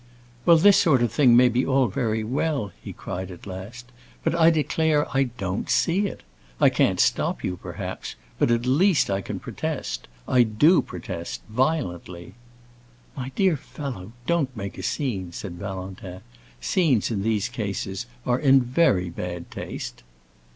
"Well, this sort of thing may be all very well," he cried at last, "but I declare I don't see it. I can't stop you, perhaps, but at least I can protest. I do protest, violently." "My dear fellow, don't make a scene," said Valentin. "Scenes in these cases are in very bad taste."